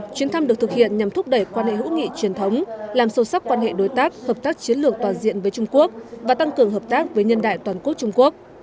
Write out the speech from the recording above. chuyến thăm được thực hiện nhằm thúc đẩy quan hệ hữu nghị truyền thống làm sâu sắc quan hệ đối tác hợp tác chiến lược toàn diện với trung quốc và tăng cường hợp tác với nhân đại toàn quốc trung quốc